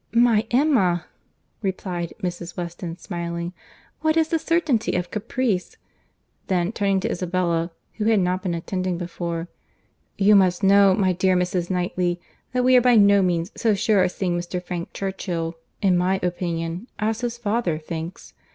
"My Emma!" replied Mrs. Weston, smiling, "what is the certainty of caprice?" Then turning to Isabella, who had not been attending before—"You must know, my dear Mrs. Knightley, that we are by no means so sure of seeing Mr. Frank Churchill, in my opinion, as his father thinks.